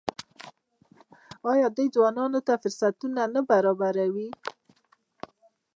آیا دوی ځوانانو ته فرصتونه نه برابروي؟